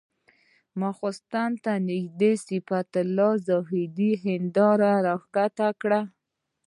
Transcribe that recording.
ماخستن ته نږدې صفت الله زاهدي هنداره ښکته کړه.